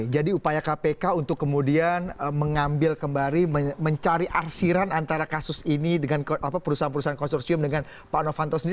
jadi upaya kpk untuk kemudian mengambil kembali mencari arsiran antara kasus ini dengan perusahaan perusahaan konsursium dengan pak novanto sendiri